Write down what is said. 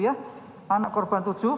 anak korban empat